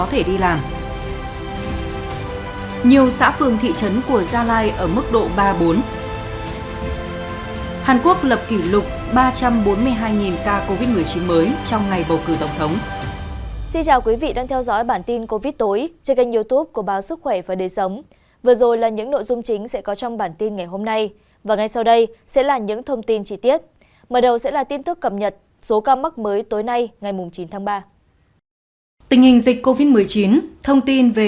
hàn quốc lập kỷ lục ba trăm bốn mươi hai ca covid một mươi chín mới trong ngày bầu cử tổng thống